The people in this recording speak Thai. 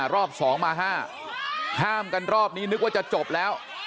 รอบ๒มา๕ห้ามกันรอบนี้นึกว่าจะจบแล้ว